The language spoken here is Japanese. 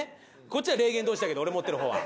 こっちは『霊幻道士』だけど俺持ってる方は。